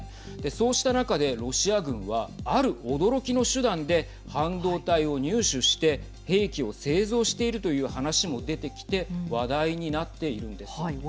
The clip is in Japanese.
そうした中でロシア軍はある驚きの手段で半導体を入手して兵器を製造しているという話も出てきて話題になっているんです。